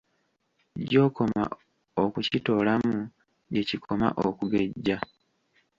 Gy'okoma okukitoolamu gye kikoma okugejja.